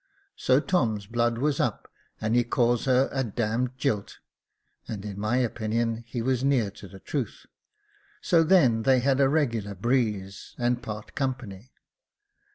So Tom's blood was up, and he calls her a d d jilt, and, in my opinion, he was near to the truth ; so then they had a regular breeze, and part company.